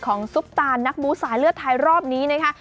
ของซุปตานนักบูศาเลือดไทยรอบนี้นะคะ